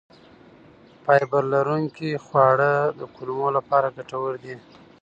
فایبر لرونکي خواړه د کولمو لپاره ګټور دي.